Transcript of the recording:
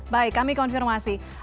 baik kami konfirmasi